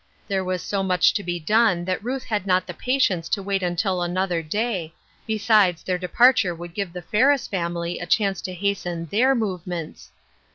There was so much to be done that Ruth had not the patience to wait until another day, besides their departure would give the Ferris family a chance to hasten their movements.